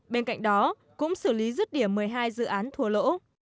bên cạnh đó cũng xử lý rứt điểm một mươi hai dự án thua lỗ